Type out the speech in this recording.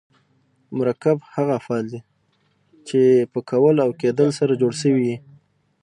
مرکب هغه افعال دي، چي په کول او کېدل سره جوړ سوي یي.